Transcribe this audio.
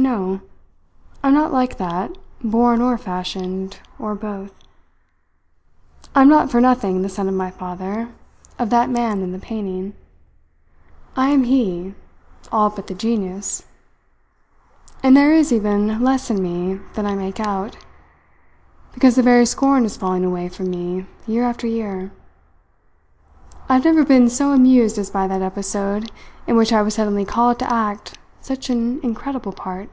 "No. I am not like that, born or fashioned, or both. I am not for nothing the son of my father, of that man in the painting. I am he, all but the genius. And there is even less in me than I make out, because the very scorn is falling away from me year after year. I have never been so amused as by that episode in which I was suddenly called to act such an incredible part.